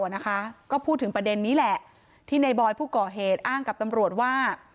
นะคะก็พูดถึงประเด็นนี้แหละที่ในบอยผู้ก่อเหตุอ้างกับตำรวจว่า